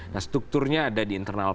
nah strukturnya ada di internal